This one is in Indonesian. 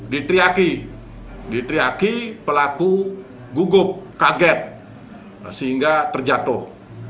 diteriaki diteriaki pelaku gugup kaget sehingga terjatuh